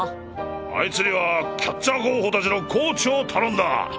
あいつにはキャッチャー候補達のコーチを頼んだ。